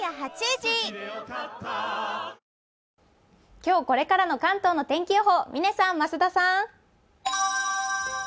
今日これからの関東の天気予報を嶺さん、増田さん。